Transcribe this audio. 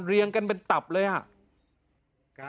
เรียงกันเป็นตับเลยอ่ะ